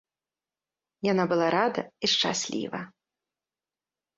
Яна была рада і шчасліва.